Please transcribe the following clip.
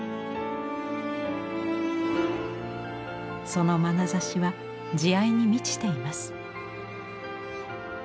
そのまなざしは慈愛に満ちています。